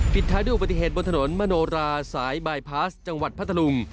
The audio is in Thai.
ท้ายด้วยอุบัติเหตุบนถนนมโนราสายบายพาสจังหวัดพัทธลุง